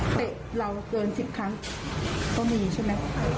เตะเราเกิน๑๐ครั้งก็มีใช่ไหม